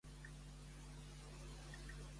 Són parella el Wilf i el Reggie d'aquesta pel·lícula?